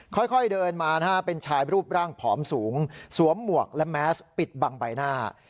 ค่อยเดินมานะฮะเป็นชายรูปร่างผอมสูงสวมหมวกและแมสปิดบังใบหน้า